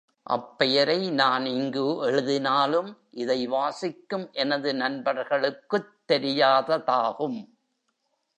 அப்பெயரை நான் இங்கு எழுதினாலும், இதை வாசிக்கும் எனது நண்பர்களுக்குத் தெரியாததாகும்.